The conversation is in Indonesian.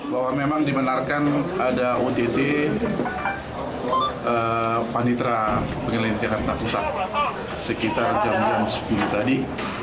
bahwa memang dimenarkan ada utt panitera pengadilan negeri jakarta pusat sekitar jam jam sepuluh tadi